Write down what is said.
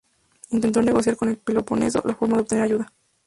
Intentó negociar con el Peloponeso la forma de obtener ayuda.